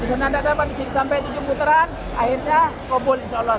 disana tidak dapat disini sampai tujuh puteran akhirnya kabul insya allah